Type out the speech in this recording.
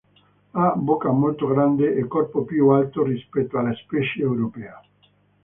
Ha bocca molto grande e corpo più alto rispetto alla specie europea.